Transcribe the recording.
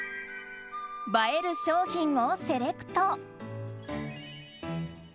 映える商品をセレクト。